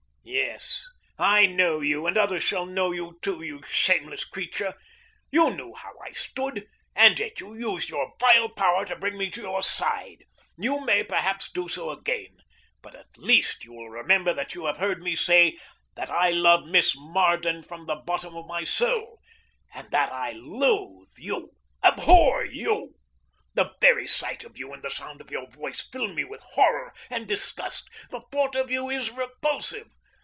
"Yes, I know you, and others shall know you, too. You shameless creature! You knew how I stood. And yet you used your vile power to bring me to your side. You may, perhaps, do so again, but at least you will remember that you have heard me say that I love Miss Marden from the bottom of my soul, and that I loathe you, abhor you! "The very sight of you and the sound of your voice fill me with horror and disgust. The thought of you is repulsive.